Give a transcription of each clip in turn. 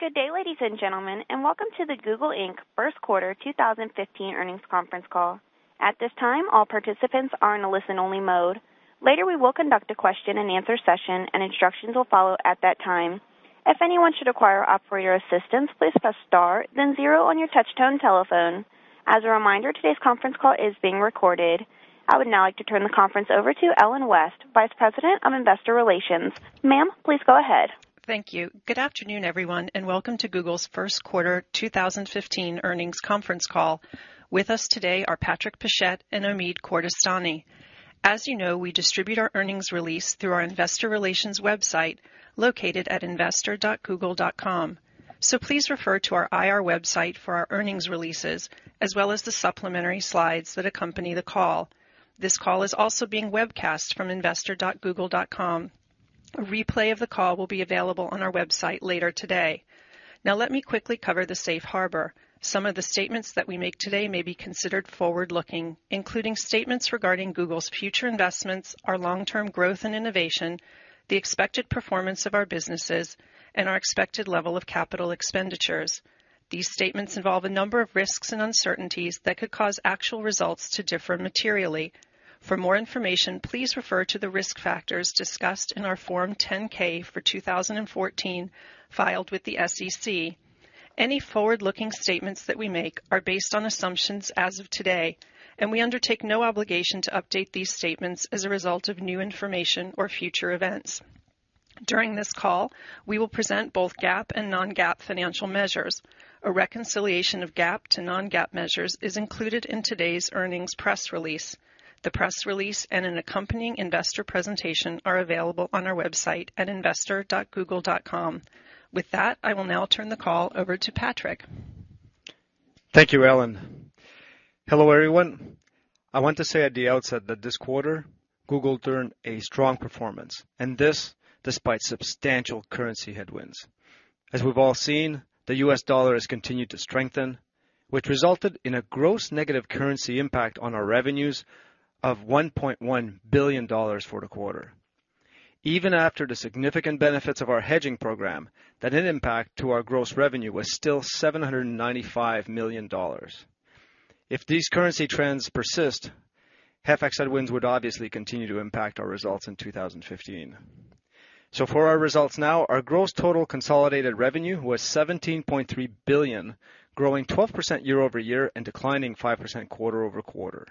Good day, ladies and gentlemen, and welcome to the Google Inc. First Quarter 2015 Earnings Conference Call. At this time, all participants are in a listen-only mode. Later, we will conduct a question-and-answer session, and instructions will follow at that time. If anyone should require operator assistance, please press star, then zero on your touch-tone telephone. As a reminder, today's conference call is being recorded. I would now like to turn the conference over to Ellen West, Vice President of Investor Relations. Ma'am, please go ahead. Thank you. Good afternoon, everyone, and welcome to Google's First Quarter 2015 Earnings Conference Call. With us today are Patrick Pichette and Omid Kordestani. As you know, we distribute our earnings release through our Investor Relations website located at investor.google.com. So please refer to our IR website for our earnings releases, as well as the supplementary slides that accompany the call. This call is also being webcast from investor.google.com. A replay of the call will be available on our website later today. Now, let me quickly cover the safe harbor. Some of the statements that we make today may be considered forward-looking, including statements regarding Google's future investments, our long-term growth and innovation, the expected performance of our businesses, and our expected level of capital expenditures. These statements involve a number of risks and uncertainties that could cause actual results to differ materially. For more information, please refer to the risk factors discussed in our Form 10-K for 2014 filed with the SEC. Any forward-looking statements that we make are based on assumptions as of today, and we undertake no obligation to update these statements as a result of new information or future events. During this call, we will present both GAAP and non-GAAP financial measures. A reconciliation of GAAP to non-GAAP measures is included in today's earnings press release. The press release and an accompanying investor presentation are available on our website at investor.google.com. With that, I will now turn the call over to Patrick. Thank you, Ellen. Hello, everyone. I want to say at the outset that this quarter, Google turned a strong performance, and this despite substantial currency headwinds. As we've all seen, the U.S. dollar has continued to strengthen, which resulted in a gross negative currency impact on our revenues of $1.1 billion for the quarter. Even after the significant benefits of our hedging program, that impact to our gross revenue was still $795 million. If these currency trends persist, FX headwinds would obviously continue to impact our results in 2015. So for our results now, our gross total consolidated revenue was $17.3 billion, growing 12% year-over-year and declining 5% quarter-over-quarter.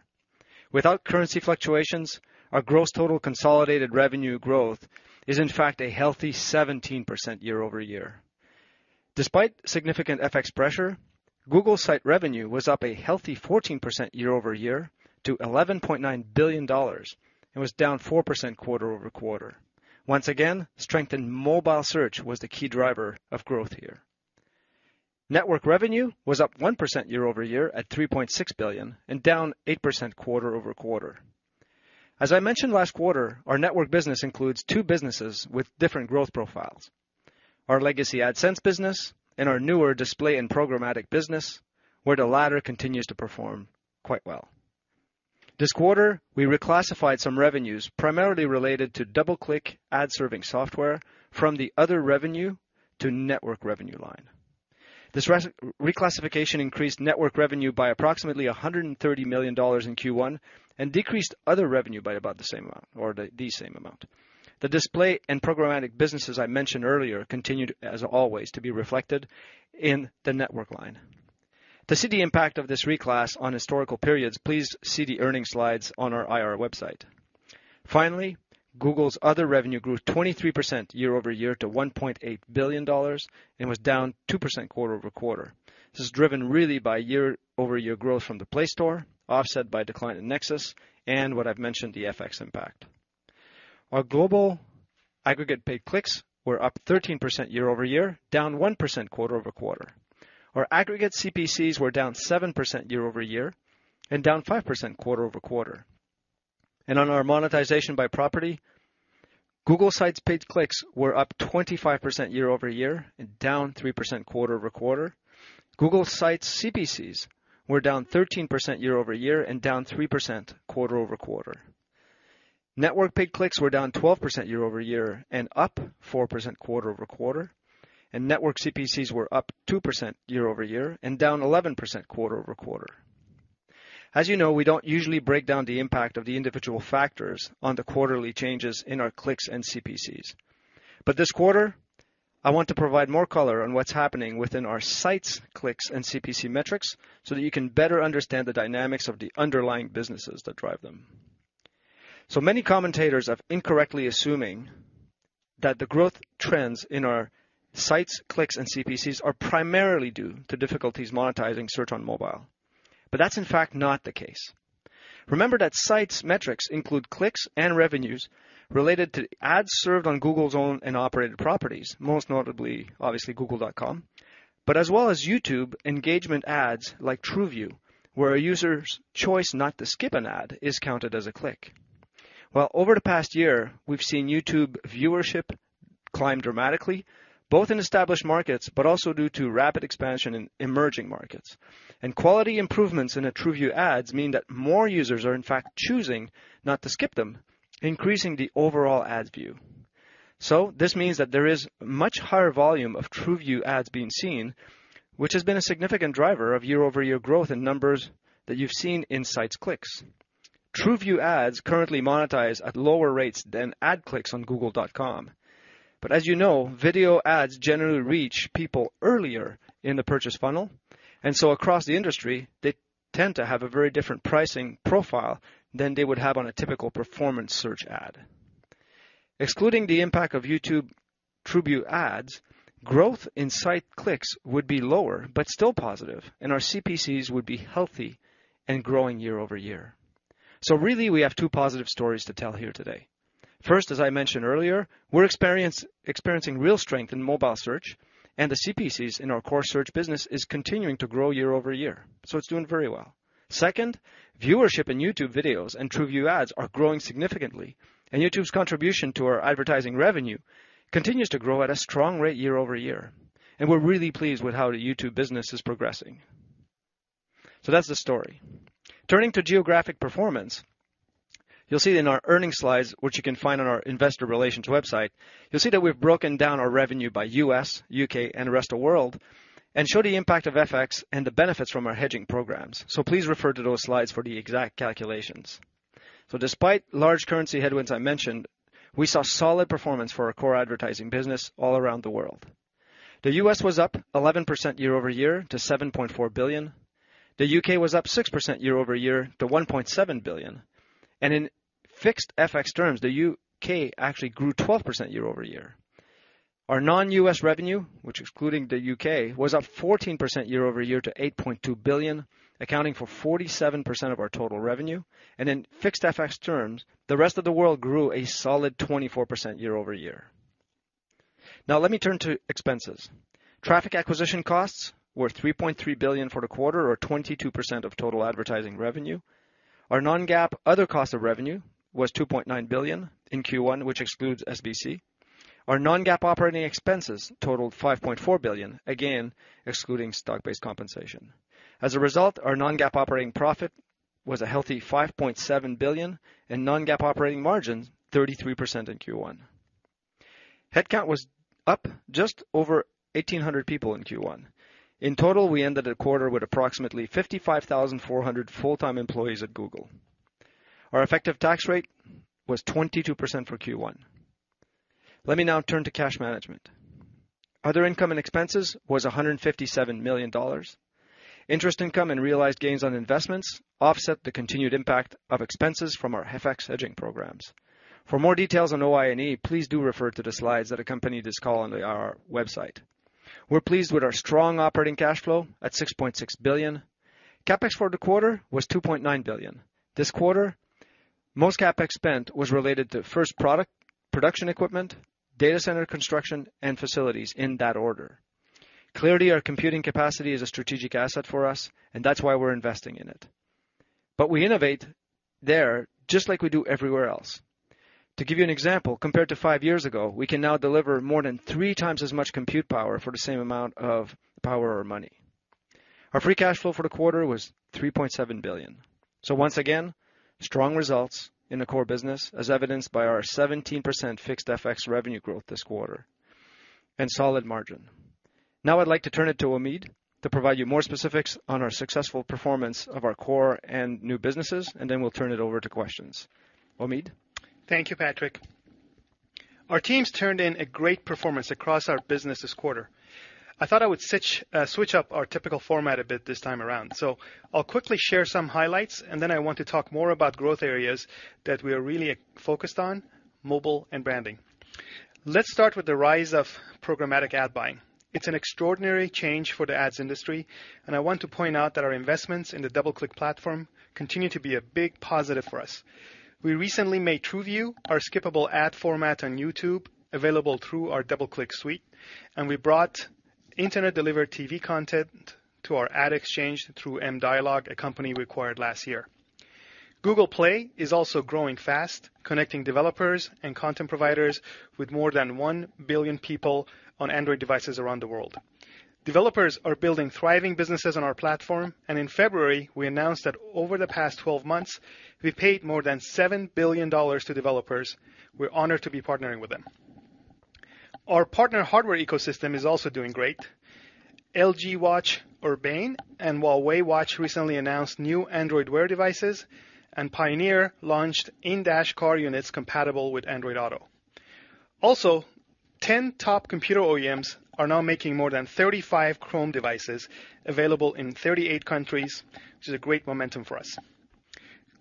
Without currency fluctuations, our gross total consolidated revenue growth is, in fact, a healthy 17% year-over-year. Despite significant FX pressure, Google sites revenue was up a healthy 14% year-over-year to $11.9 billion and was down 4% quarter-over-quarter. Once again, strength in mobile search was the key driver of growth here. Network revenue was up 1% year-over-year at $3.6 billion and down 8% quarter-over-quarter. As I mentioned last quarter, our network business includes two businesses with different growth profiles: our legacy AdSense business and our newer display and programmatic business, where the latter continues to perform quite well. This quarter, we reclassified some revenues primarily related to DoubleClick ad-serving software from the other revenue to network revenue line. This reclassification increased network revenue by approximately $130 million in Q1 and decreased other revenue by about the same amount or the same amount. The display and programmatic businesses I mentioned earlier continued, as always, to be reflected in the network line. To see the impact of this reclass on historical periods, please see the earnings slides on our IR website. Finally, Google's other revenue grew 23% year-over-year to $1.8 billion and was down 2% quarter-over-quarter. This is driven really by year-over-year growth from the Play Store, offset by decline in Nexus, and what I've mentioned, the FX impact. Our global aggregate paid clicks were up 13% year-over-year, down 1% quarter-over-quarter. Our aggregate CPCs were down 7% year-over-year and down 5% quarter-over-quarter, and on our monetization by property, Google sites paid clicks were up 25% year-over-year and down 3% quarter-over-quarter. Google sites CPCs were down 13% year-over-year and down 3% quarter-over-quarter. Network paid clicks were down 12% year-over-year and up 4% quarter-over-quarter. And network CPCs were up 2% year-over-year and down 11% quarter-over-quarter. As you know, we don't usually break down the impact of the individual factors on the quarterly changes in our clicks and CPCs. But this quarter, I want to provide more color on what's happening within our sites' clicks and CPC metrics so that you can better understand the dynamics of the underlying businesses that drive them. So many commentators are incorrectly assuming that the growth trends in our sites, clicks, and CPCs are primarily due to difficulties monetizing search on mobile. But that's, in fact, not the case. Remember that sites metrics include clicks and revenues related to ads served on Google's owned and operated properties, most notably, obviously, Google.com, but as well as YouTube engagement ads like TrueView, where a user's choice not to skip an ad is counted as a click. Over the past year, we've seen YouTube viewership climb dramatically, both in established markets but also due to rapid expansion in emerging markets, and quality improvements in the TrueView ads mean that more users are, in fact, choosing not to skip them, increasing the overall ad views, so this means that there is a much higher volume of TrueView ads being seen, which has been a significant driver of year-over-year growth in numbers that you've seen in sites clicks. TrueView ads currently monetize at lower rates than ad clicks on Google.com. But as you know, video ads generally reach people earlier in the purchase funnel. And so across the industry, they tend to have a very different pricing profile than they would have on a typical performance search ad. Excluding the impact of YouTube TrueView ads, growth in site clicks would be lower but still positive, and our CPCs would be healthy and growing year-over-year. So really, we have two positive stories to tell here today. First, as I mentioned earlier, we're experiencing real strength in mobile search, and the CPCs in our core search business are continuing to grow year-over-year, so it's doing very well. Second, viewership in YouTube videos and TrueView ads are growing significantly, and YouTube's contribution to our advertising revenue continues to grow at a strong rate year-over-year. And we're really pleased with how the YouTube business is progressing. So that's the story. Turning to geographic performance, you'll see in our earnings slides, which you can find on our Investor Relations website, you'll see that we've broken down our revenue by U.S., U.K., and rest of the world, and show the impact of FX and the benefits from our hedging programs. So please refer to those slides for the exact calculations. So despite large currency headwinds I mentioned, we saw solid performance for our core advertising business all around the world. The U.S. was up 11% year-over-year to $7.4 billion. The U.K. was up 6% year-over-year to $1.7 billion. And in fixed FX terms, the U.K. actually grew 12% year-over-year. Our non-U.S. revenue, which, excluding the U.K., was up 14% year-over-year to $8.2 billion, accounting for 47% of our total revenue. In fixed FX terms, the rest of the world grew a solid 24% year-over-year. Now, let me turn to expenses. Traffic acquisition costs were $3.3 billion for the quarter, or 22% of total advertising revenue. Our non-GAAP other cost of revenue was $2.9 billion in Q1, which excludes SBC. Our non-GAAP operating expenses totaled $5.4 billion, again excluding stock-based compensation. As a result, our non-GAAP operating profit was a healthy $5.7 billion, and non-GAAP operating margin 33% in Q1. Headcount was up just over 1,800 people in Q1. In total, we ended the quarter with approximately 55,400 full-time employees at Google. Our effective tax rate was 22% for Q1. Let me now turn to cash management. Other income and expenses was $157 million. Interest income and realized gains on investments offset the continued impact of expenses from our FX hedging programs. For more details on OI&E, please do refer to the slides that accompany this call on the IR website. We're pleased with our strong operating cash flow at $6.6 billion. CapEx for the quarter was $2.9 billion. This quarter, most CapEx spent was related to production equipment, data center construction, and facilities, in that order. Cloud, our computing capacity, is a strategic asset for us, and that's why we're investing in it. But we innovate there just like we do everywhere else. To give you an example, compared to five years ago, we can now deliver more than three times as much compute power for the same amount of power or money. Our free cash flow for the quarter was $3.7 billion. So once again, strong results in the core business, as evidenced by our 17% fixed FX revenue growth this quarter and solid margin. Now, I'd like to turn it to Omid to provide you more specifics on our successful performance of our core and new businesses, and then we'll turn it over to questions. Omid. Thank you, Patrick. Our teams turned in a great performance across our business this quarter. I thought I would switch up our typical format a bit this time around. So I'll quickly share some highlights, and then I want to talk more about growth areas that we are really focused on: mobile and branding. Let's start with the rise of programmatic ad buying. It's an extraordinary change for the ads industry, and I want to point out that our investments in the DoubleClick platform continue to be a big positive for us. We recently made TrueView our skippable ad format on YouTube, available through our DoubleClick suite, and we brought internet-delivered TV content to our ad exchange through mDialog, a company we acquired last year. Google Play is also growing fast, connecting developers and content providers with more than one billion people on Android devices around the world. Developers are building thriving businesses on our platform, and in February, we announced that over the past 12 months, we've paid more than $7 billion to developers. We're honored to be partnering with them. Our partner hardware ecosystem is also doing great. LG Watch Urbane and Huawei Watch recently announced new Android Wear devices, and Pioneer launched in-dash car units compatible with Android Auto. Also, 10 top computer OEMs are now making more than 35 Chrome devices available in 38 countries, which is a great momentum for us.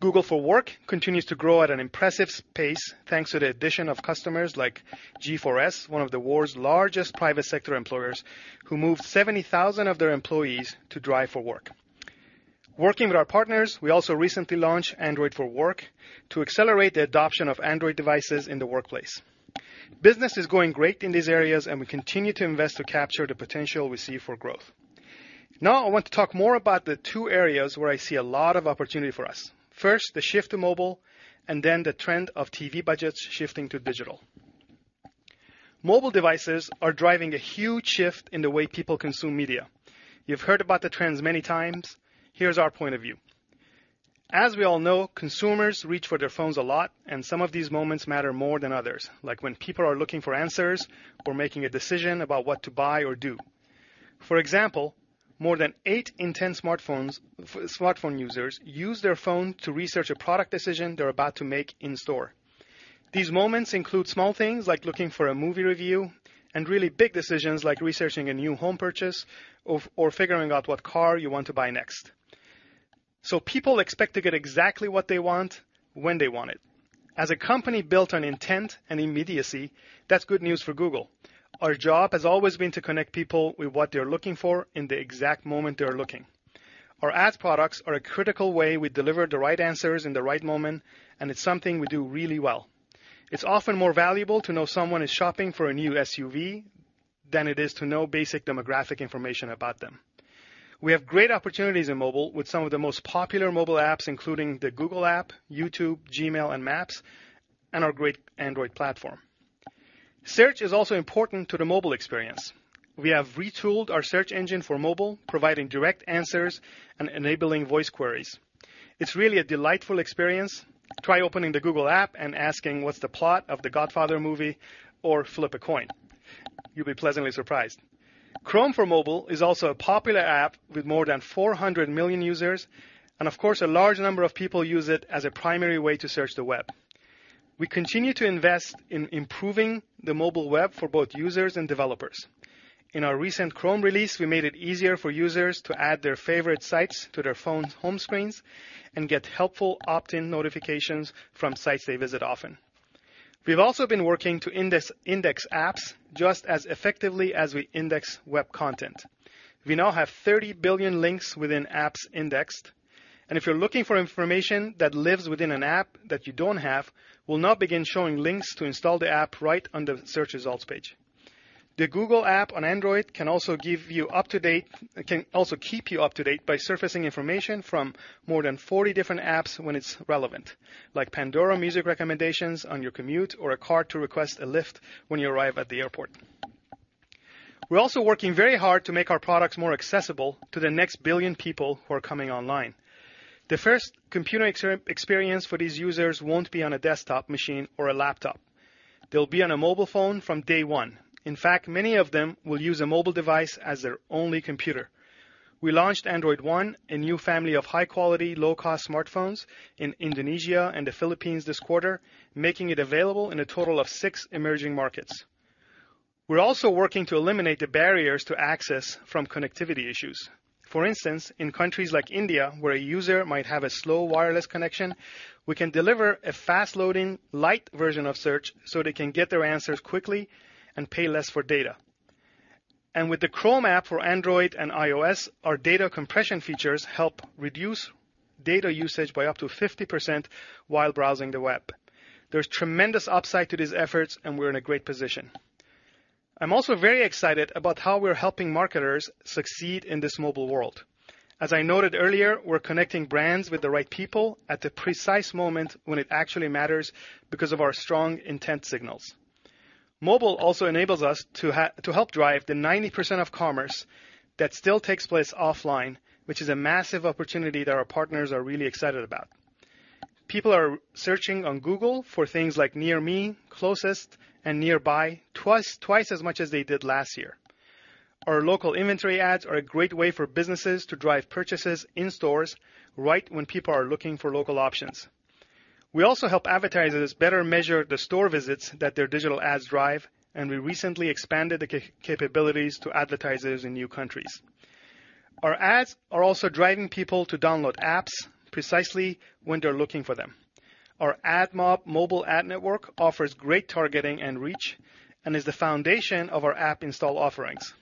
Google for Work continues to grow at an impressive pace, thanks to the addition of customers like G4S, one of the world's largest private sector employers, who moved 70,000 of their employees to Drive for Work. Working with our partners, we also recently launched Android for Work to accelerate the adoption of Android devices in the workplace. Business is going great in these areas, and we continue to invest to capture the potential we see for growth. Now, I want to talk more about the two areas where I see a lot of opportunity for us. First, the shift to mobile, and then the trend of TV budgets shifting to digital. Mobile devices are driving a huge shift in the way people consume media. You've heard about the trends many times. Here's our point of view. As we all know, consumers reach for their phones a lot, and some of these moments matter more than others, like when people are looking for answers or making a decision about what to buy or do. For example, more than eight in 10 smartphone users use their phone to research a product decision they're about to make in store. These moments include small things like looking for a movie review and really big decisions like researching a new home purchase or figuring out what car you want to buy next. So people expect to get exactly what they want when they want it. As a company built on intent and immediacy, that's good news for Google. Our job has always been to connect people with what they're looking for in the exact moment they're looking. Our ad products are a critical way we deliver the right answers in the right moment, and it's something we do really well. It's often more valuable to know someone is shopping for a new SUV than it is to know basic demographic information about them. We have great opportunities in mobile with some of the most popular mobile apps, including the Google app, YouTube, Gmail, and Maps, and our great Android platform. Search is also important to the mobile experience. We have retooled our search engine for mobile, providing direct answers and enabling voice queries. It's really a delightful experience. Try opening the Google app and asking, "What's the plot of the Godfather movie?" or flip a coin. You'll be pleasantly surprised. Chrome for Mobile is also a popular app with more than 400 million users, and of course, a large number of people use it as a primary way to search the web. We continue to invest in improving the mobile web for both users and developers. In our recent Chrome release, we made it easier for users to add their favorite sites to their phone's home screens and get helpful opt-in notifications from sites they visit often. We've also been working to index apps just as effectively as we index web content. We now have 30 billion links within apps indexed, and if you're looking for information that lives within an app that you don't have, we'll now begin showing links to install the app right on the search results page. The Google app on Android can also keep you up-to-date by surfacing information from more than 40 different apps when it's relevant, like Pandora music recommendations on your commute or a card to request a Lyft when you arrive at the airport. We're also working very hard to make our products more accessible to the next billion people who are coming online. The first computer experience for these users won't be on a desktop machine or a laptop. They'll be on a mobile phone from day one. In fact, many of them will use a mobile device as their only computer. We launched Android One, a new family of high-quality, low-cost smartphones in Indonesia and the Philippines this quarter, making it available in a total of six emerging markets. We're also working to eliminate the barriers to access from connectivity issues. For instance, in countries like India, where a user might have a slow wireless connection, we can deliver a fast-loading, light version of search so they can get their answers quickly and pay less for data, and with the Chrome app for Android and iOS, our data compression features help reduce data usage by up to 50% while browsing the web. There's tremendous upside to these efforts, and we're in a great position. I'm also very excited about how we're helping marketers succeed in this mobile world. As I noted earlier, we're connecting brands with the right people at the precise moment when it actually matters because of our strong intent signals. Mobile also enables us to help drive the 90% of commerce that still takes place offline, which is a massive opportunity that our partners are really excited about. People are searching on Google for things like "near me," "closest," and "nearby" twice as much as they did last year. Our Local Inventory Ads are a great way for businesses to drive purchases in stores right when people are looking for local options. We also help advertisers better measure the store visits that their digital ads drive, and we recently expanded the capabilities to advertisers in new countries. Our ads are also driving people to download apps precisely when they're looking for them. Our AdMob mobile ad network offers great targeting and reach and is the foundation of our app install offerings.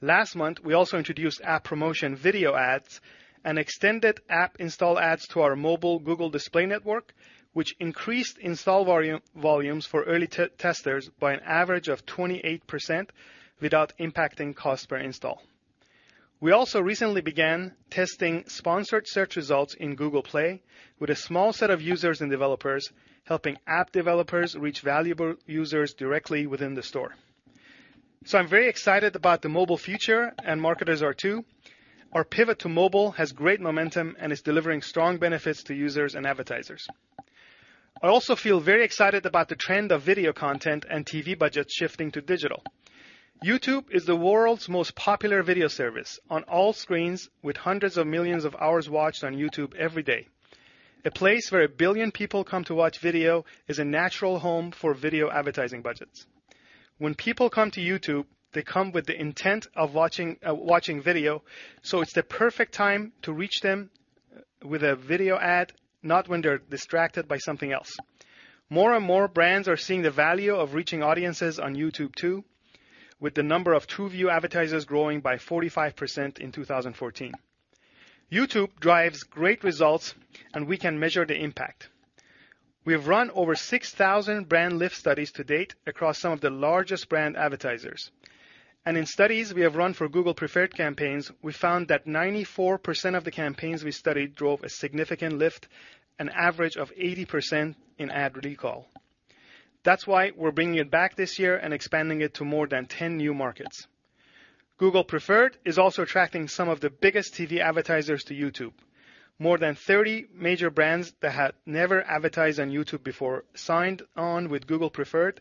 Last month, we also introduced app promotion video ads and extended app install ads to our mobile Google Display Network, which increased install volumes for early testers by an average of 28% without impacting cost per install. We also recently began testing sponsored search results in Google Play with a small set of users and developers helping app developers reach valuable users directly within the store. I'm very excited about the mobile future, and marketers are too. Our pivot to mobile has great momentum and is delivering strong benefits to users and advertisers. I also feel very excited about the trend of video content and TV budgets shifting to digital. YouTube is the world's most popular video service on all screens, with hundreds of millions of hours watched on YouTube every day. A place where a billion people come to watch video is a natural home for video advertising budgets. When people come to YouTube, they come with the intent of watching video, so it's the perfect time to reach them with a video ad, not when they're distracted by something else. More and more brands are seeing the value of reaching audiences on YouTube too, with the number of TrueView advertisers growing by 45% in 2014. YouTube drives great results, and we can measure the impact. We have run over 6,000 brand Lyft studies to date across some of the largest brand advertisers. In studies we have run for Google Preferred campaigns, we found that 94% of the campaigns we studied drove a significant Lyft, an average of 80% in ad recall. That's why we're bringing it back this year and expanding it to more than 10 new markets. Google Preferred is also attracting some of the biggest TV advertisers to YouTube. More than 30 major brands that had never advertised on YouTube before signed on with Google Preferred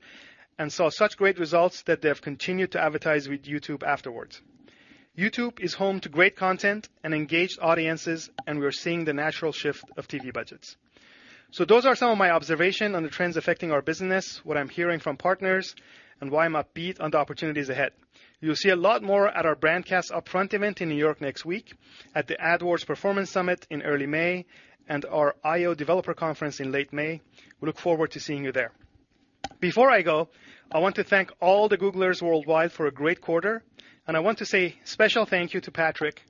and saw such great results that they have continued to advertise with YouTube afterwards. YouTube is home to great content and engaged audiences, and we're seeing the natural shift of TV budgets. Those are some of my observations on the trends affecting our business, what I'm hearing from partners, and why I'm upbeat on the opportunities ahead. You'll see a lot more at our Brandcast Upfront event in New York next week, at the AdWords Performance Summit in early May, and our I/O Developer Conference in late May. We look forward to seeing you there. Before I go, I want to thank all the Googlers worldwide for a great quarter, and I want to say a special thank you to Patrick,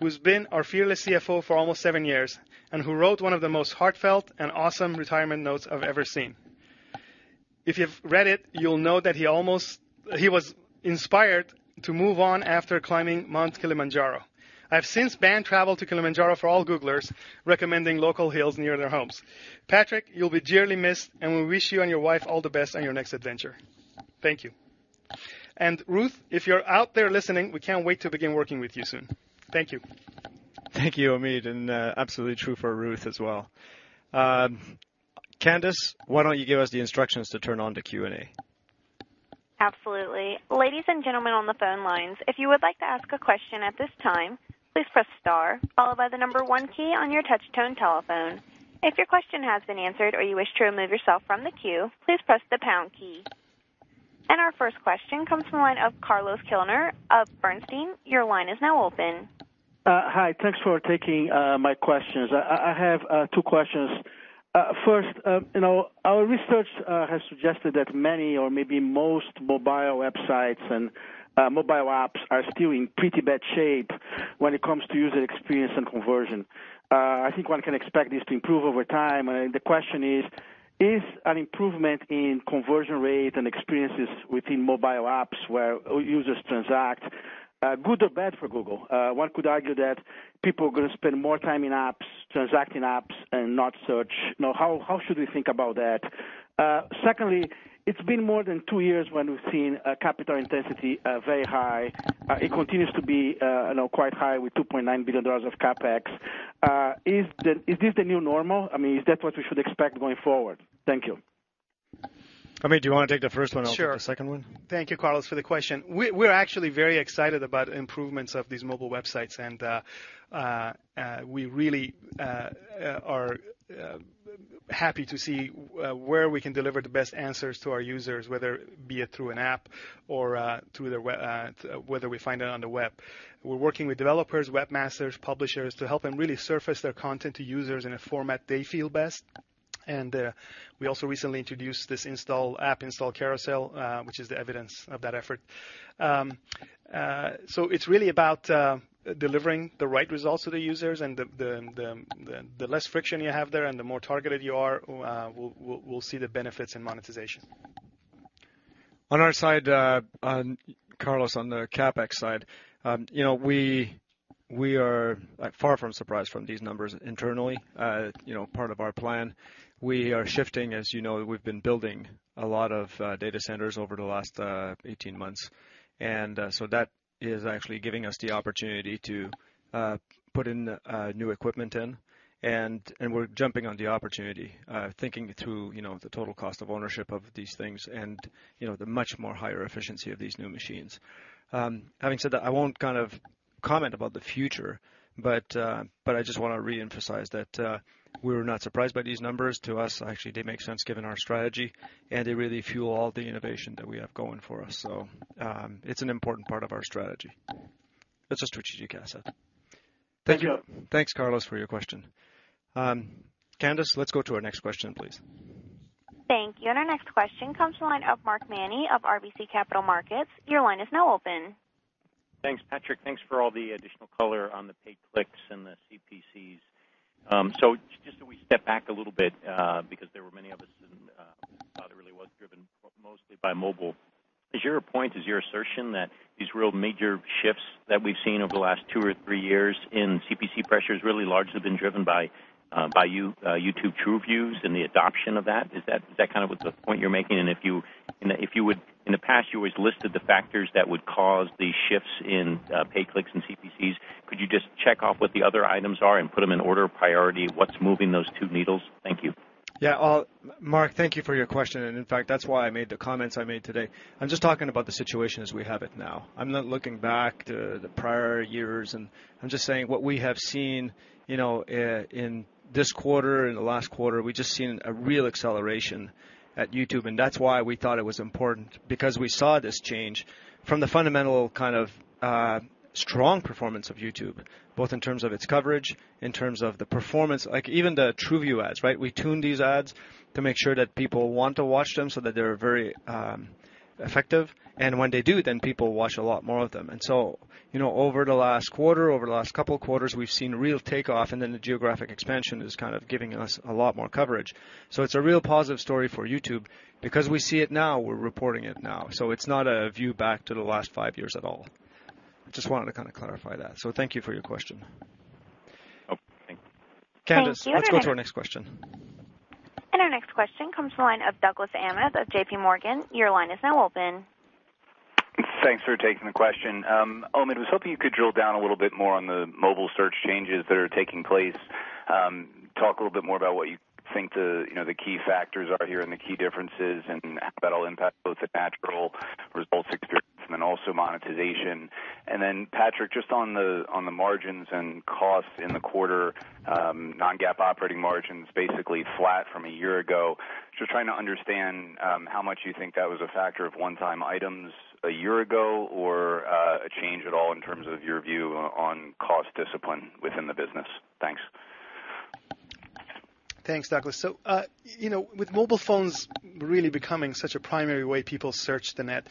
who's been our fearless CFO for almost seven years and who wrote one of the most heartfelt and awesome retirement notes I've ever seen. If you've read it, you'll know that he almost was inspired to move on after climbing Mount Kilimanjaro. I've since banned travel to Kilimanjaro for all Googlers, recommending local hills near their homes. Patrick, you'll be dearly missed, and we wish you and your wife all the best on your next adventure. Thank you. And Ruth, if you're out there listening, we can't wait to begin working with you soon. Thank you. Thank you, Omid, and absolutely true for Ruth as well. Candace, why don't you give us the instructions to turn on the Q&A? Absolutely. Ladies and gentlemen on the phone lines, if you would like to ask a question at this time, please press star, followed by the number one key on your touch-tone telephone. If your question has been answered or you wish to remove yourself from the queue, please press the pound key. And our first question comes from the line of Carlos Kirjner of Bernstein. Your line is now open. Hi. Thanks for taking my questions. I have two questions. First, our research has suggested that many, or maybe most, mobile websites and mobile apps are still in pretty bad shape when it comes to user experience and conversion. I think one can expect this to improve over time. The question is, is an improvement in conversion rate and experiences within mobile apps where users transact good or bad for Google? One could argue that people are going to spend more time in apps, transact in apps, and not search. How should we think about that? Secondly, it's been more than two years when we've seen capital intensity very high. It continues to be quite high with $2.9 billion of CapEx. Is this the new normal? I mean, is that what we should expect going forward? Thank you. Omid, do you want to take the first one? I'll take the second one? Thank you, Carlos, for the question. We're actually very excited about improvements of these mobile websites, and we really are happy to see where we can deliver the best answers to our users, whether it be through an app or through whether we find it on the web. We're working with developers, webmasters, publishers to help them really surface their content to users in a format they feel best. And we also recently introduced this App Install Carousel, which is the evidence of that effort. So it's really about delivering the right results to the users, and the less friction you have there and the more targeted you are, we'll see the benefits in monetization. On our side, Carlos, on the CapEx side, we are far from surprised from these numbers internally. Part of our plan, we are shifting, as you know, we've been building a lot of data centers over the last 18 months. And so that is actually giving us the opportunity to put in new equipment in. And we're jumping on the opportunity, thinking through the total cost of ownership of these things and the much more higher efficiency of these new machines. Having said that, I won't kind of comment about the future, but I just want to reemphasize that we're not surprised by these numbers. To us, actually, they make sense given our strategy, and they really fuel all the innovation that we have going for us. So it's an important part of our strategy. It's a strategic asset. Thank you. Thanks, Carlos, for your question. Candace, let's go to our next question, please. Thank you. And our next question comes from the line of Mark Mahaney of RBC Capital Markets. Your line is now open. Thanks, Patrick. Thanks for all the additional color on the paid clicks and the CPCs. So just to step back a little bit, because there were many of us who thought it really was driven mostly by mobile. Is your point, is your assertion that these real major shifts that we've seen over the last two or three years in CPC pressure has really largely been driven by YouTube TrueViews and the adoption of that? Is that kind of the point you're making? And if you would, in the past, you always listed the factors that would cause these shifts in paid clicks and CPCs. Could you just check off what the other items are and put them in order of priority? What's moving those two needles? Thank you. Yeah. Well, Mark, thank you for your question. And in fact, that's why I made the comments I made today. I'm just talking about the situation as we have it now. I'm not looking back to the prior years, and I'm just saying what we have seen in this quarter and the last quarter. We've just seen a real acceleration at YouTube. And that's why we thought it was important, because we saw this change from the fundamental kind of strong performance of YouTube, both in terms of its coverage, in terms of the performance, like even the TrueView ads, right? We tune these ads to make sure that people want to watch them so that they're very effective. And when they do, then people watch a lot more of them. And so over the last quarter, over the last couple of quarters, we've seen real takeoff, and then the geographic expansion is kind of giving us a lot more coverage. So it's a real positive story for YouTube. Because we see it now, we're reporting it now. So it's not a view back to the last five years at all. I just wanted to kind of clarify that. So thank you for your question. Oh, thanks. Candace, let's go to our next question. And our next question comes from the line of Douglas Anmuth of J.P. Morgan. Your line is now open. Thanks for taking the question. Omid, I was hoping you could drill down a little bit more on the mobile search changes that are taking place. Talk a little bit more about what you think the key factors are here and the key differences and how that all impacts both the natural results experience and then also monetization. And then, Patrick, just on the margins and costs in the quarter, non-GAAP operating margins basically flat from a year ago. Just trying to understand how much you think that was a factor of one-time items a year ago or a change at all in terms of your view on cost discipline within the business. Thanks. Thanks, Douglas. So with mobile phones really becoming such a primary way people search the net,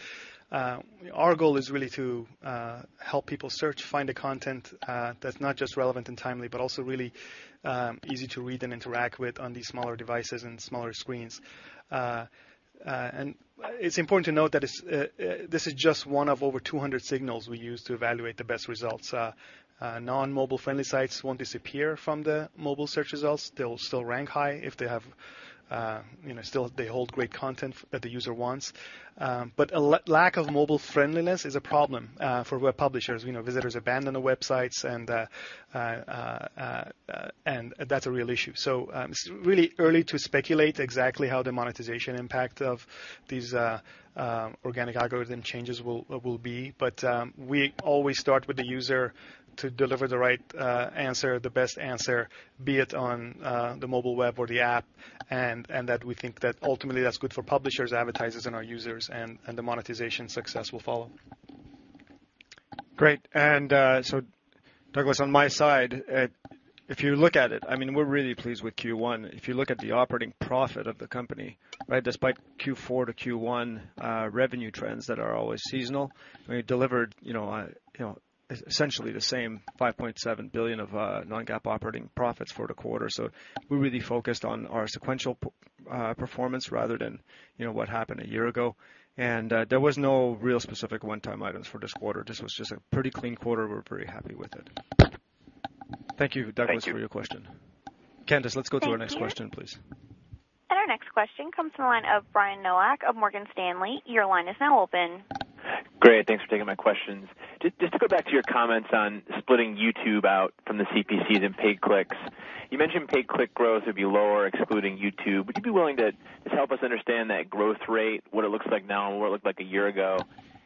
our goal is really to help people search, find the content that's not just relevant and timely, but also really easy to read and interact with on these smaller devices and smaller screens. And it's important to note that this is just one of over 200 signals we use to evaluate the best results. Non-mobile-friendly sites won't disappear from the mobile search results. They'll still rank high if they still hold great content that the user wants. But lack of mobile-friendliness is a problem for web publishers. Visitors abandon the websites, and that's a real issue. So it's really early to speculate exactly how the monetization impact of these organic algorithm changes will be. But we always start with the user to deliver the right answer, the best answer, be it on the mobile web or the app, and that we think that ultimately that's good for publishers, advertisers, and our users, and the monetization success will follow. Great. And so, Douglas, on my side, if you look at it, I mean, we're really pleased with Q1. If you look at the operating profit of the company, right, despite Q4 to Q1 revenue trends that are always seasonal, we delivered essentially the same $5.7 billion of non-GAAP operating profits for the quarter. So we really focused on our sequential performance rather than what happened a year ago. And there was no real specific one-time items for this quarter. This was just a pretty clean quarter. We're very happy with it. Thank you, Douglas, for your question. Candace, let's go to our next question, please. Our next question comes from the line of Brian Nowak of Morgan Stanley. Your line is now open. Great. Thanks for taking my questions. Just to go back to your comments on splitting YouTube out from the CPCs and paid clicks, you mentioned paid click growth would be lower excluding YouTube. Would you be willing to just help us understand that growth rate, what it looks like now and what it looked like a year ago?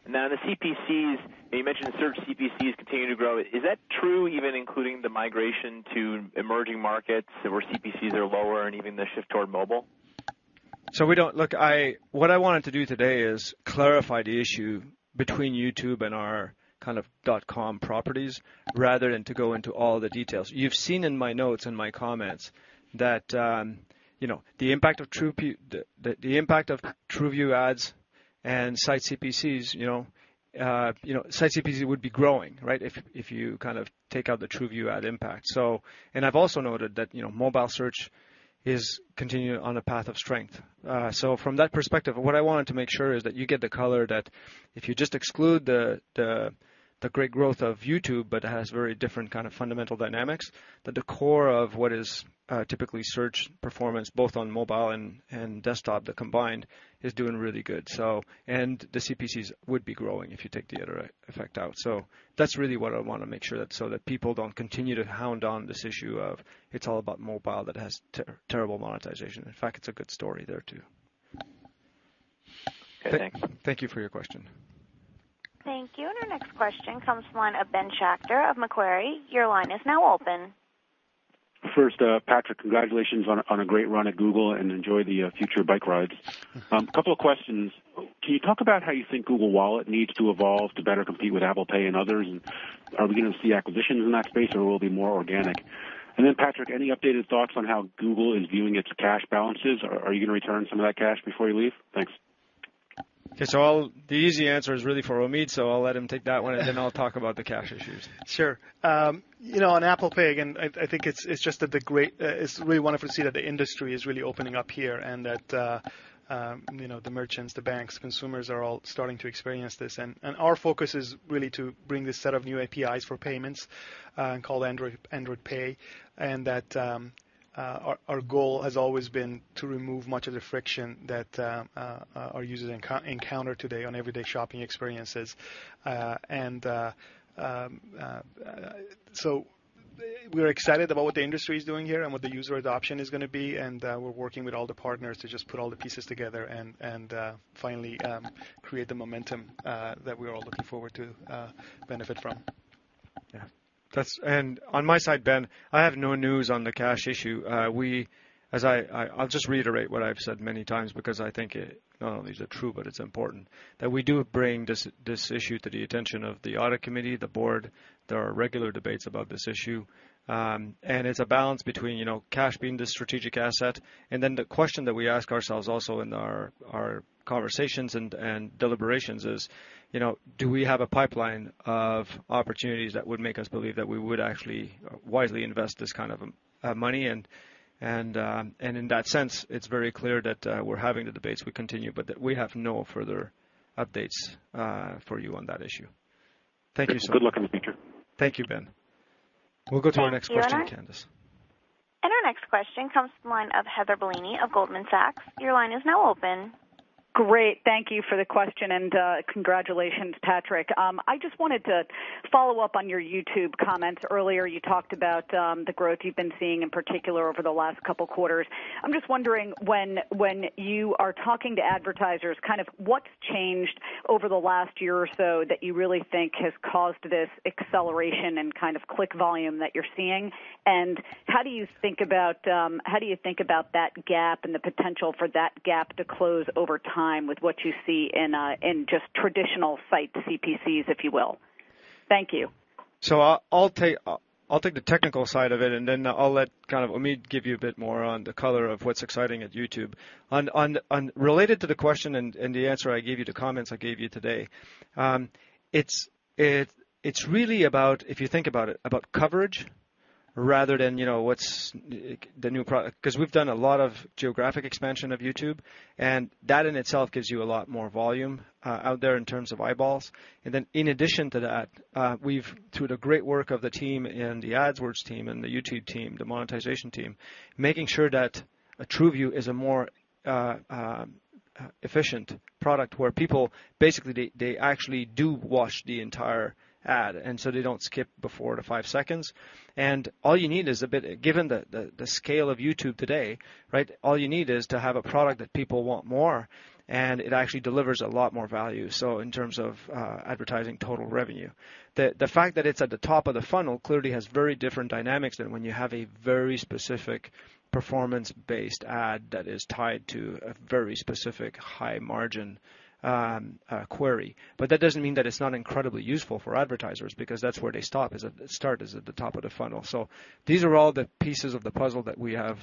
And then on the CPCs, you mentioned search CPCs continue to grow. Is that true, even including the migration to emerging markets where CPCs are lower and even the shift toward mobile? So, look, what I wanted to do today is clarify the issue between YouTube and our kind of dot-com properties rather than to go into all the details. You've seen in my notes and my comments that the impact of TrueView ads and site CPCs, site CPC would be growing, right, if you kind of take out the TrueView ad impact. And I've also noted that mobile search is continuing on a path of strength. So from that perspective, what I wanted to make sure is that you get the color that if you just exclude the great growth of YouTube, but it has very different kind of fundamental dynamics, that the core of what is typically search performance, both on mobile and desktop, the combined is doing really good. And the CPCs would be growing if you take the TrueView effect out. So that's really what I want to make sure, so that people don't continue to hound on this issue of it's all about mobile that has terrible monetization. In fact, it's a good story there too. Okay. Thank you for your question. Thank you. And our next question comes from the line of Ben Schachter of Macquarie. Your line is now open. First, Patrick, congratulations on a great run at Google and enjoy the future bike rides. A couple of questions. Can you talk about how you think Google Wallet needs to evolve to better compete with Apple Pay and others? And are we going to see acquisitions in that space, or will it be more organic? And then, Patrick, any updated thoughts on how Google is viewing its cash balances? Are you going to return some of that cash before you leave? Thanks. Okay. So the easy answer is really for Omid, so I'll let him take that one, and then I'll talk about the cash issues. Sure. On Apple Pay, again, I think it's just that that's great. It's really wonderful to see that the industry is really opening up here and that the merchants, the banks, consumers are all starting to experience this. Our focus is really to bring this set of new APIs for payments called Android Pay, and that our goal has always been to remove much of the friction that our users encounter today on everyday shopping experiences, and we're excited about what the industry is doing here and what the user adoption is going to be, and we're working with all the partners to just put all the pieces together and finally create the momentum that we're all looking forward to benefit from. Yeah. And on my side, Ben, I have no news on the cash issue. We as I'll just reiterate what I've said many times because I think it not only is it true, but it's important that we do bring this issue to the attention of the audit committee, the board. There are regular debates about this issue. And it's a balance between cash being the strategic asset. And then the question that we ask ourselves also in our conversations and deliberations is, do we have a pipeline of opportunities that would make us believe that we would actually wisely invest this kind of money? And in that sense, it's very clear that we're having the debates would continue, but that we have no further updates for you on that issue. Thank you so much. Good luck in the future. Thank you, Ben. We'll go to our next question, Candace. And our next question comes from the line of Heather Bellini of Goldman Sachs. Your line is now open. Great. Thank you for the question, and congratulations, Patrick. I just wanted to follow up on your YouTube comments. Earlier, you talked about the growth you've been seeing in particular over the last couple of quarters. I'm just wondering, when you are talking to advertisers, kind of what's changed over the last year or so that you really think has caused this acceleration and kind of click volume that you're seeing? And how do you think about that gap and the potential for that gap to close over time with what you see in just traditional site CPCs, if you will? Thank you. So I'll take the technical side of it, and then I'll let kind of Omid give you a bit more on the color of what's exciting at YouTube. Related to the question and the answer I gave you, the comments I gave you today, it's really about, if you think about it, about coverage rather than what's the new product because we've done a lot of geographic expansion of YouTube. And that in itself gives you a lot more volume out there in terms of eyeballs. And then in addition to that, we've through the great work of the team and the AdWords team and the YouTube team, the monetization team, making sure that a TrueView is a more efficient product where people basically they actually do watch the entire ad, and so they don't skip before the five seconds. And all you need is a bit, given the scale of YouTube today, right? All you need is to have a product that people want more, and it actually delivers a lot more value, so in terms of advertising total revenue. The fact that it's at the top of the funnel clearly has very different dynamics than when you have a very specific performance-based ad that is tied to a very specific high-margin query. But that doesn't mean that it's not incredibly useful for advertisers because that's where they start. Start is at the top of the funnel. So these are all the pieces of the puzzle that we have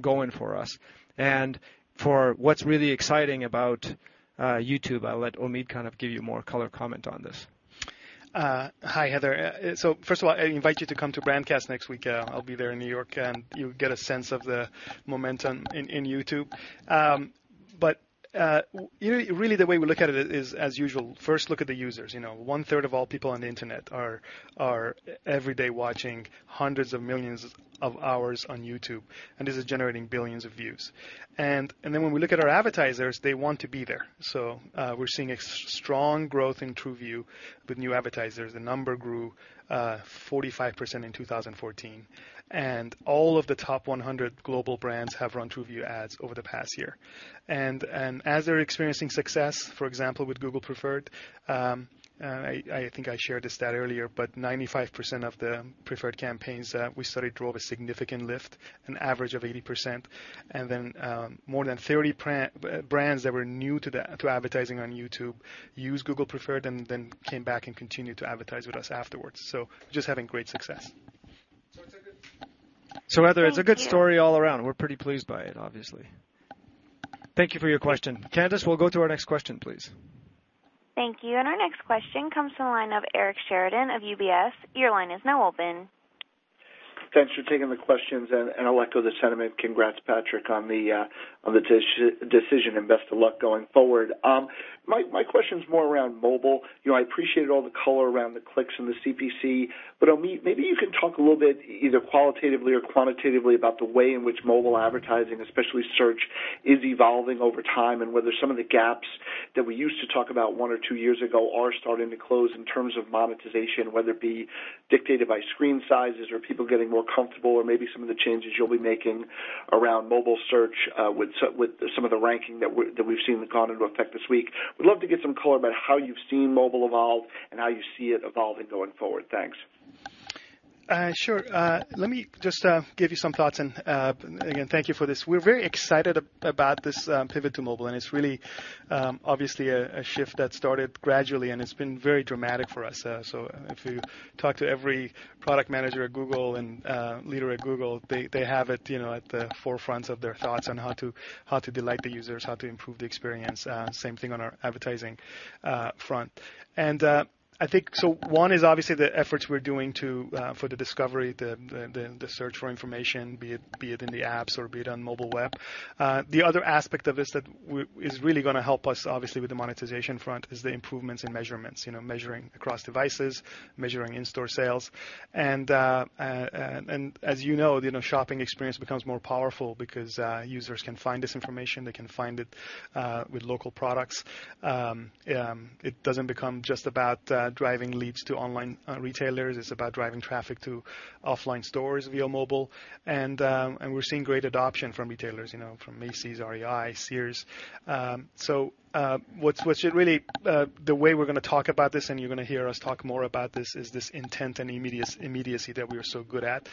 going for us. And for what's really exciting about YouTube, I'll let Omid kind of give you more color, comment on this. Hi, Heather. So first of all, I invite you to come to Brandcast next week. I'll be there in New York, and you'll get a sense of the momentum in YouTube. But really, the way we look at it is, as usual, first look at the users. One-third of all people on the internet are every day watching hundreds of millions of hours on YouTube, and this is generating billions of views. And then when we look at our advertisers, they want to be there. So we're seeing a strong growth in TrueView with new advertisers. The number grew 45% in 2014. And all of the top 100 global brands have run TrueView ads over the past year. And as they're experiencing success, for example, with Google Preferred, I think I shared this stat earlier, but 95% of the preferred campaigns that we studied drove a significant Lyft, an average of 80%. And then more than 30 brands that were new to advertising on YouTube used Google Preferred and then came back and continued to advertise with us afterwards. So just having great success. So Heather, it's a good story all around. We're pretty pleased by it, obviously. Thank you for your question. Candace, we'll go to our next question, please. Thank you. And our next question comes from the line of Eric Sheridan of UBS. Your line is now open. Thanks for taking the questions. And I'll echo the sentiment. Congrats, Patrick, on the decision and best of luck going forward. My question's more around mobile. I appreciate all the color around the clicks and the CPC, but Omid, maybe you can talk a little bit either qualitatively or quantitatively about the way in which mobile advertising, especially search, is evolving over time and whether some of the gaps that we used to talk about one or two years ago are starting to close in terms of monetization, whether it be dictated by screen sizes or people getting more comfortable or maybe some of the changes you'll be making around mobile search with some of the ranking that we've seen that's gone into effect this week. We'd love to get some color about how you've seen mobile evolve and how you see it evolving going forward. Thanks. Sure. Let me just give you some thoughts. And again, thank you for this. We're very excited about this pivot to mobile, and it's really obviously a shift that started gradually, and it's been very dramatic for us. So if you talk to every product manager at Google and leader at Google, they have it at the forefront of their thoughts on how to delight the users, how to improve the experience. Same thing on our advertising front. And I think so one is obviously the efforts we're doing for the discovery, the search for information, be it in the apps or be it on mobile web. The other aspect of this that is really going to help us, obviously, with the monetization front is the improvements in measurements, measuring across devices, measuring in-store sales. And as you know, the shopping experience becomes more powerful because users can find this information. They can find it with local products. It doesn't become just about driving leads to online retailers. It's about driving traffic to offline stores via mobile. And we're seeing great adoption from retailers, from Macy's, REI, Sears. So, what is really the way we're going to talk about this, and you're going to hear us talk more about this. This is this intent and immediacy that we are so good at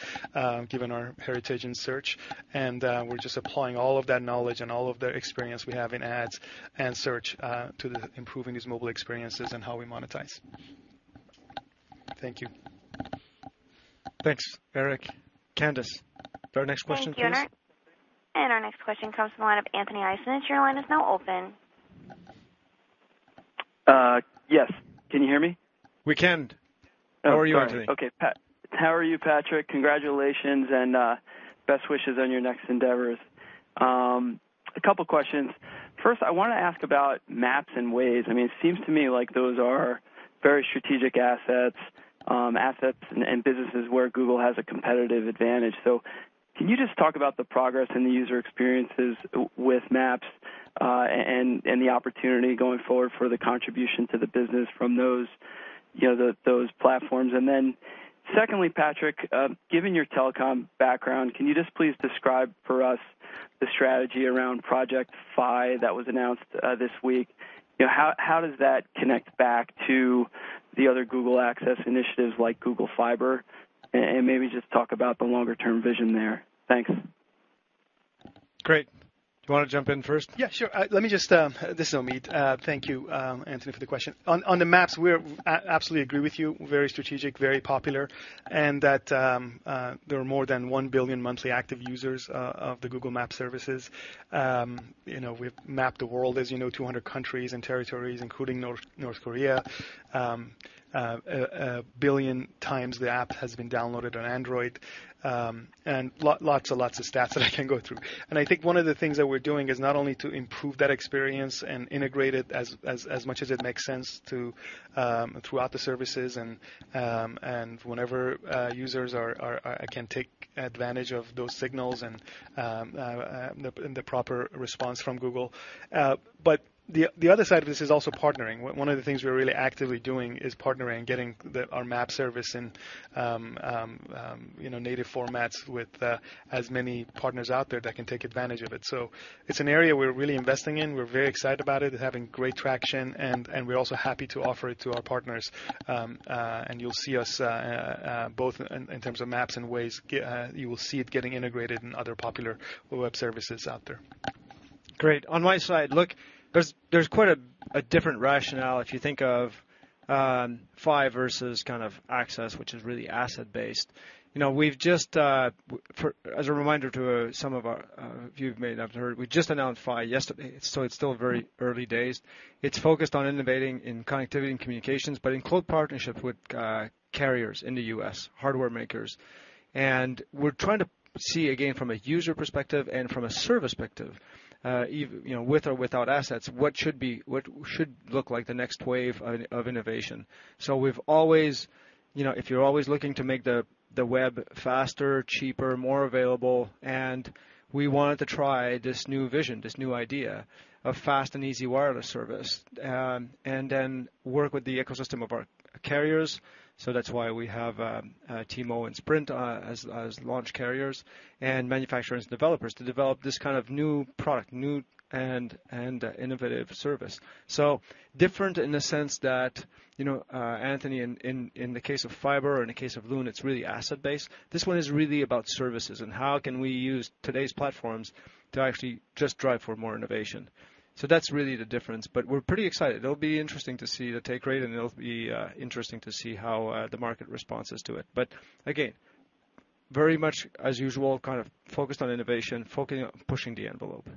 given our heritage in search. And we're just applying all of that knowledge and all of the experience we have in ads and search to improving these mobile experiences and how we monetize. Thank you. Thanks, Eric. Candace, our next question comes. Our next question comes from the line of Anthony DiClemente. Your line is now open. Yes. Can you hear me? We can. How are you, Anthony? Okay. How are you, Patrick? Congratulations and best wishes on your next endeavors. A couple of questions. First, I want to ask about Maps and Waze. I mean, it seems to me like those are very strategic assets and businesses where Google has a competitive advantage. So can you just talk about the progress in the user experiences with Maps and the opportunity going forward for the contribution to the business from those platforms? And then secondly, Patrick, given your telecom background, can you just please describe for us the strategy around Project Fi that was announced this week? How does that connect back to the other Google Access initiatives like Google Fiber? And maybe just talk about the longer-term vision there. Thanks. Great. Do you want to jump in first? Yeah, sure. Let me just this is Omid. Thank you, Anthony, for the question. On the Maps, we absolutely agree with you. Very strategic, very popular, and that there are more than 1 billion monthly active users of the Google Maps services. We've mapped the world, as you know, 200 countries and territories, including North Korea. A billion times the app has been downloaded on Android. And lots and lots of stats that I can go through. And I think one of the things that we're doing is not only to improve that experience and integrate it as much as it makes sense throughout the services and whenever users can take advantage of those signals and the proper response from Google. But the other side of this is also partnering. One of the things we're really actively doing is partnering and getting our Maps service in native formats with as many partners out there that can take advantage of it, so it's an area we're really investing in. We're very excited about it. It's having great traction, and we're also happy to offer it to our partners, and you'll see us both in terms of Maps and Waze. You will see it getting integrated in other popular web services out there. Great. On my side, look, there's quite a different rationale if you think of Project Fi versus kind of Access, which is really asset-based. We've just, as a reminder to some of you who may not have heard, we just announced Project Fi yesterday, so it's still very early days. It's focused on innovating in connectivity and communications, but in close partnership with carriers in the U.S., hardware makers. And we're trying to see, again, from a user perspective and from a service perspective, with or without assets, what should look like the next wave of innovation. So if you're always looking to make the web faster, cheaper, more available, and we wanted to try this new vision, this new idea of fast and easy wireless service, and then work with the ecosystem of our carriers. So that's why we have T-Mobile and Sprint as launch carriers and manufacturers and developers to develop this kind of new product, new and innovative service. So different in the sense that, Anthony, in the case of Fiber or in the case of Loon, it's really asset-based. This one is really about services and how can we use today's platforms to actually just drive for more innovation. So that's really the difference. But we're pretty excited. It'll be interesting to see the take rate, and it'll be interesting to see how the market responses to it. But again, very much as usual, kind of focused on innovation, focusing on pushing the envelope.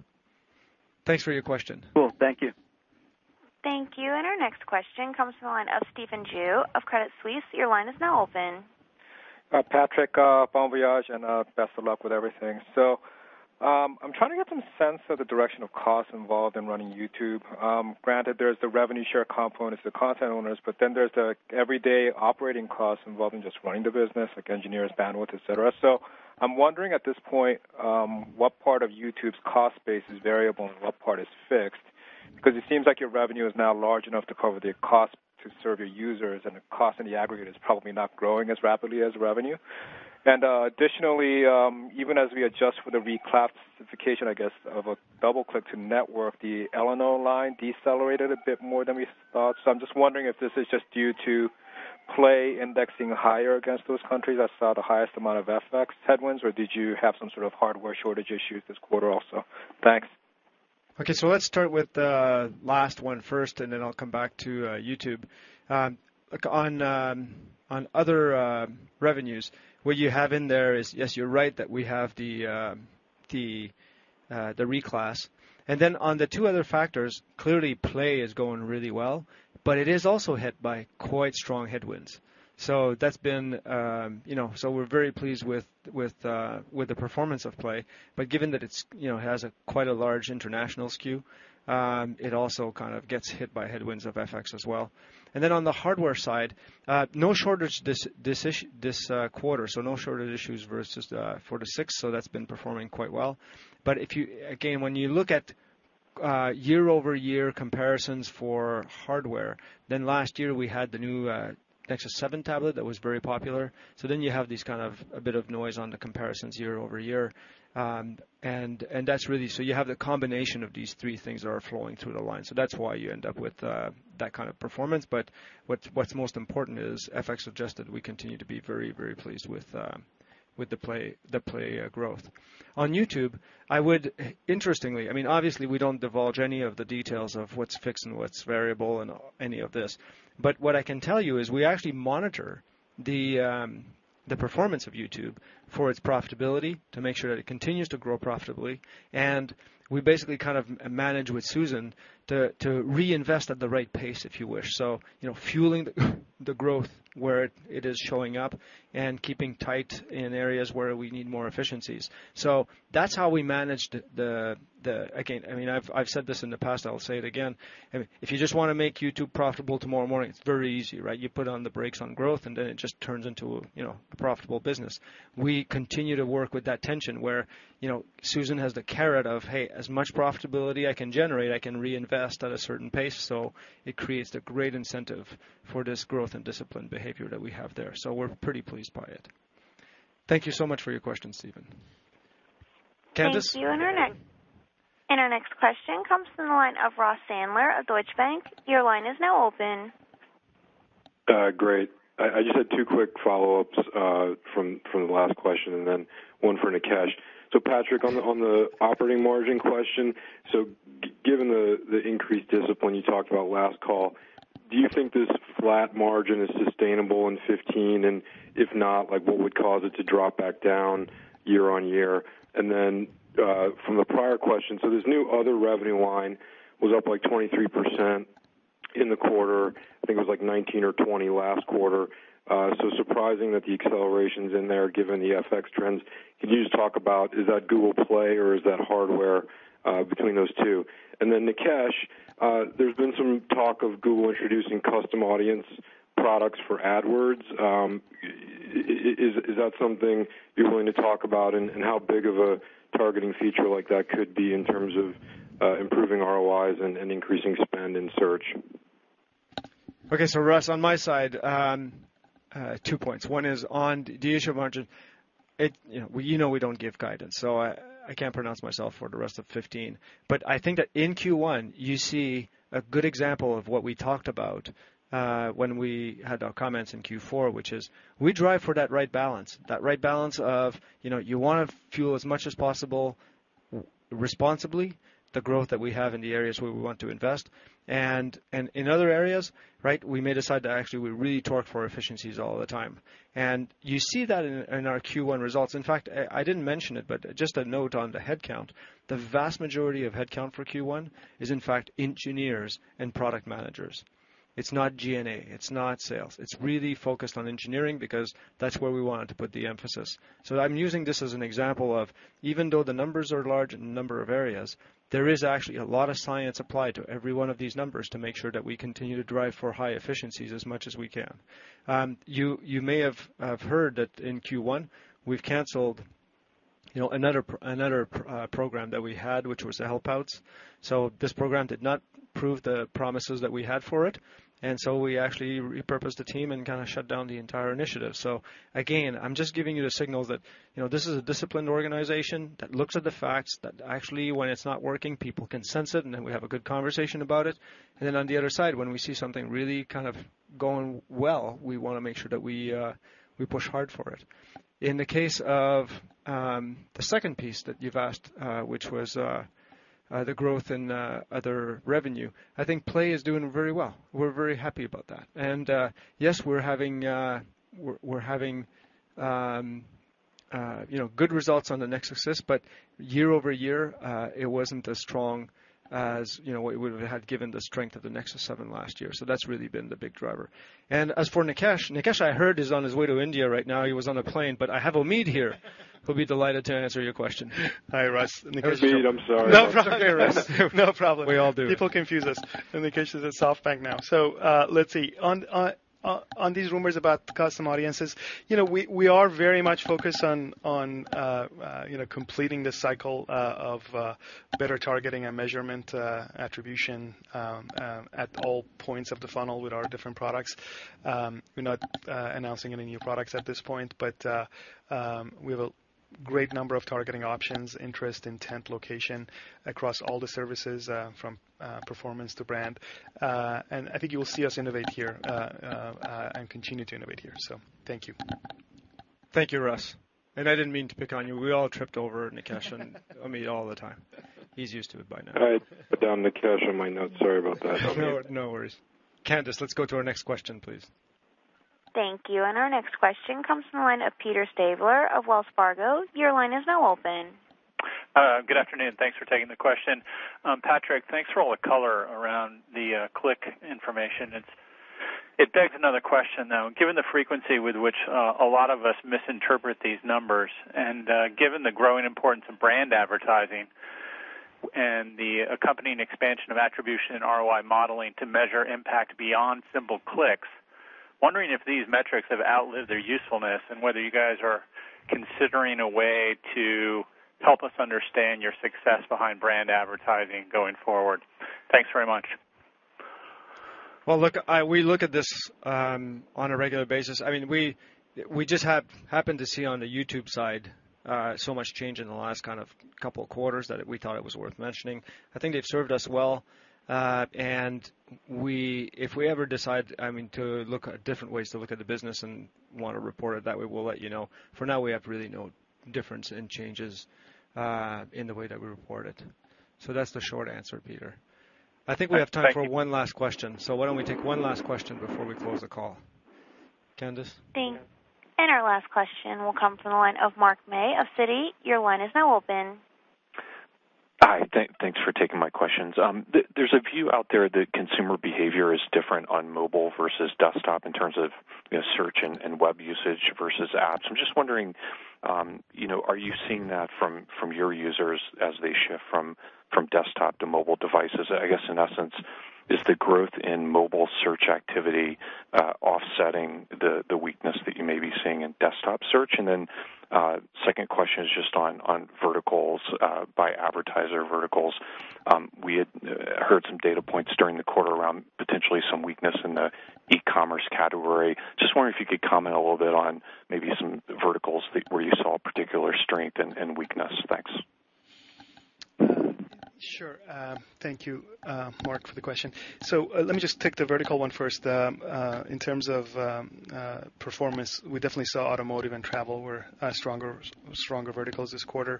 Thanks for your question. Cool. Thank you. Thank you. And our next question comes from the line of Stephen Ju of Credit Suisse. Your line is now open. Patrick, bon voyage, and best of luck with everything. So I'm trying to get some sense of the direction of costs involved in running YouTube. Granted, there's the revenue share components, the content owners, but then there's the everyday operating costs involved in just running the business, like engineers, bandwidth, etc. So I'm wondering at this point what part of YouTube's cost base is variable and what part is fixed because it seems like your revenue is now large enough to cover the cost to serve your users, and the cost in the aggregate is probably not growing as rapidly as revenue. And additionally, even as we adjust for the reclassification, I guess, of DoubleClick to Network, the other line decelerated a bit more than we thought. So I'm just wondering if this is just due to Play indexing higher against those countries that saw the highest amount of FX headwinds, or did you have some sort of hardware shortage issues this quarter also? Thanks. Okay, so let's start with the last one first, and then I'll come back to YouTube. On other revenues, what you have in there is, yes, you're right that we have the reclass. And then on the two other factors, clearly Play is going really well, but it is also hit by quite strong headwinds. So that's been. So we're very pleased with the performance of Play. But given that it has quite a large international skew, it also kind of gets hit by headwinds of FX as well. And then on the hardware side, no shortage this quarter, so no shortage issues versus four to six, so that's been performing quite well. But again, when you look at year-over-year comparisons for hardware, then last year we had the new Nexus 7 tablet that was very popular. So then you have these kind of a bit of noise on the comparisons year-over-year. And that's really so you have the combination of these three things that are flowing through the line. So that's why you end up with that kind of performance. But what's most important is FX adjusted. We continue to be very, very pleased with the Play growth. On YouTube, I would, interestingly, I mean, obviously, we don't divulge any of the details of what's fixed and what's variable and any of this. But what I can tell you is we actually monitor the performance of YouTube for its profitability to make sure that it continues to grow profitably. And we basically kind of manage with Susan to reinvest at the right pace, if you wish, so fueling the growth where it is showing up and keeping tight in areas where we need more efficiencies. So that's how we manage, again, I mean, I've said this in the past. I'll say it again. If you just want to make YouTube profitable tomorrow morning, it's very easy, right? You put on the brakes on growth, and then it just turns into a profitable business. We continue to work with that tension where Susan has the carrot of, "Hey, as much profitability I can generate, I can reinvest at a certain pace." So it creates a great incentive for this growth and discipline behavior that we have there. So we're pretty pleased by it. Thank you so much for your question, Stephen. Candace. Thank you. And our next question comes from the line of Ross Sandler of Deutsche Bank. Your line is now open. Great. I just had two quick follow-ups from the last question and then one for Nikesh. So Patrick, on the operating margin question, so given the increased discipline you talked about last call, do you think this flat margin is sustainable in 2015? And if not, what would cause it to drop back down year-on-year? And then from the prior question, so this new other revenue line was up like 23% in the quarter. I think it was like 2019 or 2020 last quarter. So surprising that the acceleration's in there given the FX trends. Could you just talk about, is that Google Play or is that hardware between those two? And then Nikesh, there's been some talk of Google introducing custom audience products for AdWords. Is that something you're willing to talk about and how big of a targeting feature like that could be in terms of improving ROIs and increasing spend in search? Okay. So Ross, on my side, two points. One is on the issue of margin. You know we don't give guidance, so I can't pronounce myself for the rest of 2015. But I think that in Q1, you see a good example of what we talked about when we had our comments in Q4, which is we drive for that right balance. That right balance of you want to fuel as much as possible responsibly the growth that we have in the areas where we want to invest. And in other areas, right, we may decide to actually we really talk for efficiencies all the time. And you see that in our Q1 results. In fact, I didn't mention it, but just a note on the headcount. The vast majority of headcount for Q1 is, in fact, engineers and product managers. It's not G&A. It's not sales. It's really focused on engineering because that's where we wanted to put the emphasis. So I'm using this as an example of even though the numbers are large in a number of areas, there is actually a lot of science applied to every one of these numbers to make sure that we continue to drive for high efficiencies as much as we can. You may have heard that in Q1, we've canceled another program that we had, which was Helpouts. So this program did not prove the promises that we had for it. And so we actually repurposed the team and kind of shut down the entire initiative. So again, I'm just giving you the signals that this is a disciplined organization that looks at the facts that actually, when it's not working, people can sense it, and then we have a good conversation about it. And then, on the other side, when we see something really kind of going well, we want to make sure that we push hard for it. In the case of the second piece that you've asked, which was the growth in other revenue, I think Play is doing very well. We're very happy about that. And yes, we're having good results on the Nexus 6, but year-over-year, it wasn't as strong as what we would have had given the strength of the Nexus 7 last year. So that's really been the big driver. And as for Nikesh, Nikesh, I heard is on his way to India right now. He was on a plane, but I have Omid here. He'll be delighted to answer your question. Hi, Ross. Nikesh is not here. Omid, I'm sorry. No problem, Ross. No problem. We all do. People confuse us. And Nikesh is at SoftBank now. So let's see. On these rumors about custom audiences, we are very much focused on completing the cycle of better targeting and measurement attribution at all points of the funnel with our different products. We're not announcing any new products at this point, but we have a great number of targeting options, interest, intent, location across all the services from performance to brand. And I think you will see us innovate here and continue to innovate here. So thank you. Thank you, Ross. And I didn't mean to pick on you. We all tripped over Nikesh and Omid all the time. He's used to it by now. I put down Nikesh on my notes. Sorry about that. No worries. Candace, let's go to our next question, please. Thank you. And our next question comes from the line of Peter Stabler of Wells Fargo. Your line is now open. Good afternoon. Thanks for taking the question. Patrick, thanks for all the color around the click information. It begs another question, though. Given the frequency with which a lot of us misinterpret these numbers and given the growing importance of brand advertising and the accompanying expansion of attribution and ROI modeling to measure impact beyond simple clicks, wondering if these metrics have outlived their usefulness and whether you guys are considering a way to help us understand your success behind brand advertising going forward? Thanks very much. Well, look, we look at this on a regular basis. I mean, we just happened to see on the YouTube side so much change in the last kind of couple of quarters that we thought it was worth mentioning. I think they've served us well. And if we ever decide, I mean, to look at different ways to look at the business and want to report it that way, we'll let you know. For now, we have really no difference in changes in the way that we report it. So that's the short answer, Peter. I think we have time for one last question. So why don't we take one last question before we close the call? Candace? Thanks. And our last question will come from the line of Mark May of Citi. Your line is now open. Hi. Thanks for taking my questions. There's a view out there that consumer behavior is different on mobile versus desktop in terms of search and web usage versus apps. I'm just wondering, are you seeing that from your users as they shift from desktop to mobile devices? I guess, in essence, is the growth in mobile search activity offsetting the weakness that you may be seeing in desktop search? And then second question is just on verticals by advertiser verticals. We had heard some data points during the quarter around potentially some weakness in the e-commerce category. Just wondering if you could comment a little bit on maybe some verticals where you saw particular strength and weakness. Thanks. Sure. Thank you, Mark, for the question. So let me just take the vertical one first. In terms of performance, we definitely saw automotive and travel were stronger verticals this quarter.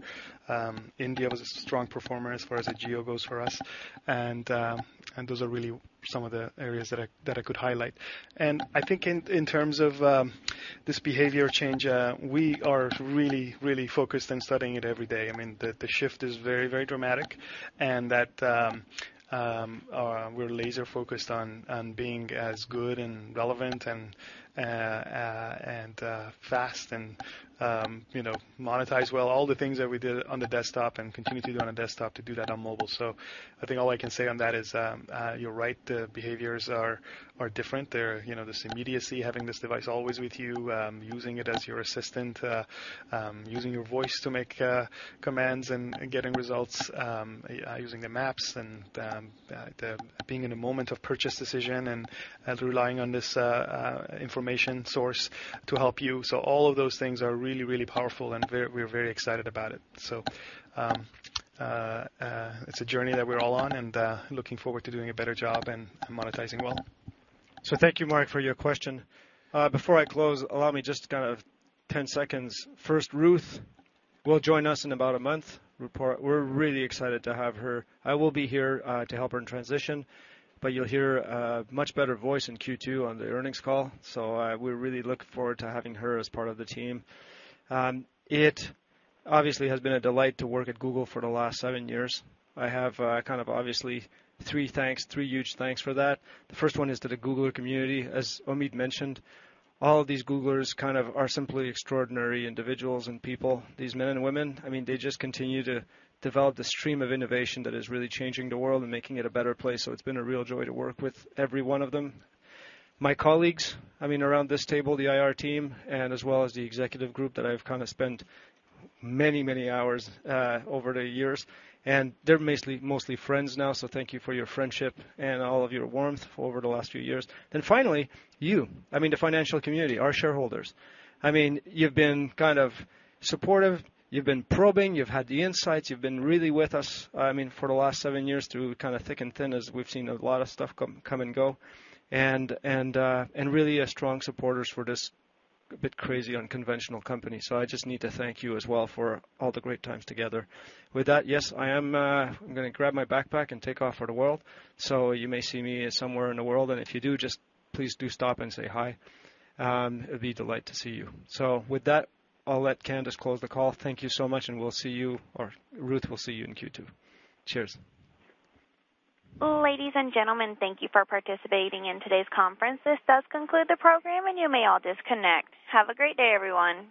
India was a strong performer as far as the geo goes for us. And those are really some of the areas that I could highlight. And I think in terms of this behavior change, we are really, really focused and studying it every day. I mean, the shift is very, very dramatic. And that we're laser-focused on being as good and relevant and fast and monetize well, all the things that we did on the desktop and continue to do on the desktop to do that on mobile. So I think all I can say on that is you're right. The behaviors are different. There's immediacy having this device always with you, using it as your assistant, using your voice to make commands and getting results, using the maps and being in a moment of purchase decision and relying on this information source to help you. So all of those things are really, really powerful, and we're very excited about it. So it's a journey that we're all on and looking forward to doing a better job and monetizing well. So thank you, Mark, for your question. Before I close, allow me just kind of ten seconds. First, Ruth will join us in about a month. We're really excited to have her. I will be here to help her in transition, but you'll hear a much better voice in Q2 on the earnings call. So we really look forward to having her as part of the team. It obviously has been a delight to work at Google for the last seven years. I have kind of obviously three thanks, three huge thanks for that. The first one is to the Google community. As Omid mentioned, all of these Googlers kind of are simply extraordinary individuals and people, these men and women. I mean, they just continue to develop the stream of innovation that is really changing the world and making it a better place. So it's been a real joy to work with every one of them. My colleagues, I mean, around this table, the IR team, and as well as the executive group that I've kind of spent many, many hours over the years. And they're mostly friends now, so thank you for your friendship and all of your warmth over the last few years. Then finally, you, I mean, the financial community, our shareholders. I mean, you've been kind of supportive. You've been probing. You've had the insights. You've been really with us, I mean, for the last seven years through kind of thick and thin as we've seen a lot of stuff come and go. And really a strong supporter for this a bit crazy unconventional company. So I just need to thank you as well for all the great times together. With that, yes, I am going to grab my backpack and take off for the world. So you may see me somewhere in the world. And if you do, just please do stop and say hi. It'd be a delight to see you. So with that, I'll let Candace close the call. Thank you so much, and we'll see you, or Ruth will see you in Q2. Cheers. Ladies and gentlemen, thank you for participating in today's conference. This does conclude the program, and you may all disconnect. Have a great day, everyone.